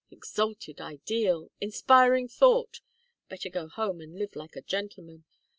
Exalted ideal! Inspiring thought! Better go home and live like a gentleman.